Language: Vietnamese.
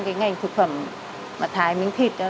cái ngành thực phẩm mà thái miếng thịt